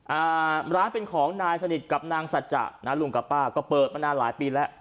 อ่าร้านเป็นของนายสนิทกับนางสัจจะนะลุงกับป้าก็เปิดมานานหลายปีแล้ว